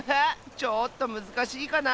ちょっとむずかしいかな？